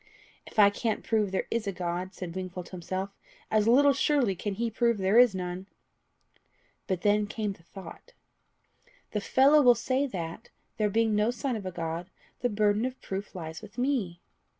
"If I can't prove there is a God," said Wingfold to himself, "as little surely can he prove there is none." But then came the thought "The fellow will say that, there being no sign of a God, the burden of proof lies with me."